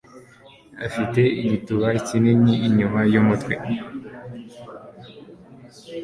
afite igituba kinini inyuma yumutwe.